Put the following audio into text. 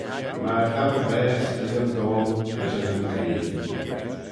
Myr ta dty vaase, Illiam Dhone, brishey nyn gree.